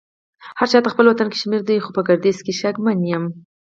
هرچا ته خپل وطن کشمير دې خو په ګرديز شکمن يم